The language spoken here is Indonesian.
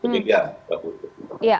jadi ya pak putri